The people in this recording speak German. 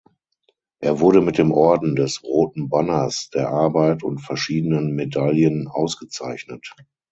Er wurde mit dem Orden des Roten Banners der Arbeit und verschiedenen Medaillen ausgezeichnet.